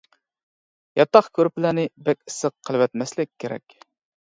ياتاق كۆرپىلەرنى بەك ئىسسىق قىلىۋەتمەسلىك كېرەك.